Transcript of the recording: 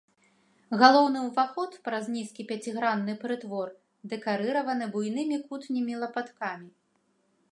Галоўны ўваход праз нізкі пяцігранны прытвор дэкарыраваны буйнымі кутнімі лапаткамі.